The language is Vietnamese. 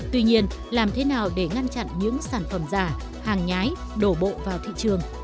tuy nhiên làm thế nào để ngăn chặn những sản phẩm giả hàng nhái đổ bộ vào thị trường